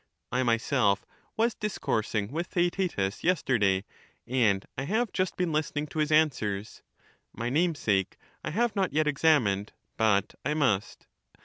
I myself was discoursing with Theaetetus yesterday, and I have just been listening to his answers; my namesake I have not yet examined, but I must.